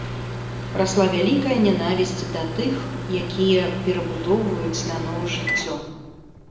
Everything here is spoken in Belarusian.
Расла вялікая нянавісць да тых, якія перабудоўваюць нанова жыццё.